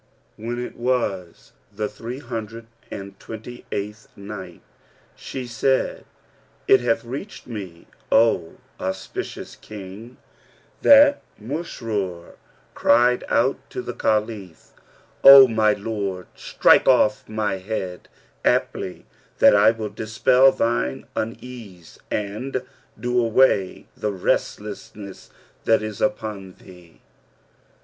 When it was the Three Hundred and Twenty eighth Night, She said, It hath reached me, O auspicious King, that Masrur cried out to the Caliph, "O my lord, strike off my head; haply that will dispel thine unease and do away the restlessness that is upon thee."